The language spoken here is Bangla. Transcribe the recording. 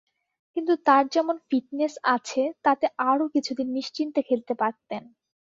কিন্তু তাঁর যেমন ফিটনেস আছে তাতে আরও কিছুদিন নিশ্চিন্তে খেলতে পারতেন।